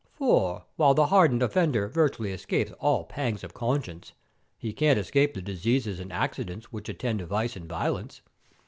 For, while the hardened offender virtually escapes all pangs of conscience, he can't escape the diseases and accidents which attend vice and violence.